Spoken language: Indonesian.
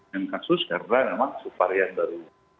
yang kasus karena memang subvarian baru